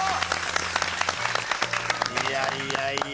いやいやいや。